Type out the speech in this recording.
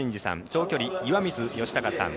長距離、岩水嘉孝さん